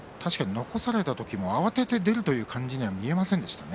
残された時にも慌てて出る感じは見えませんでしたね。